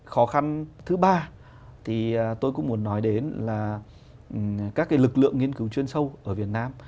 khó khăn thứ ba thì tôi cũng muốn nói đến là các cái lực lượng nghiên cứu chuyên sâu ở việt nam